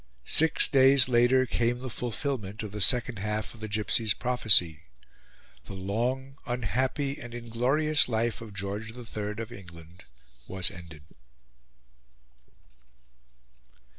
Six days later came the fulfilment of the second half of the gipsy's prophecy. The long, unhappy, and inglorious life of George the Third of England was ended.